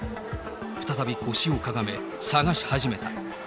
再び腰をかがめ、探し始めた。